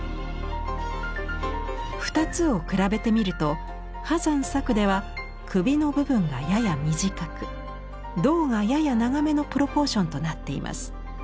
２つを比べてみると波山作では首の部分がやや短く胴がやや長めのプロポーションとなっています。